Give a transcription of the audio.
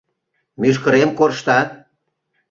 - Мӱшкырем коршта.